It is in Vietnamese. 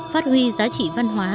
phát huy giá trị văn hóa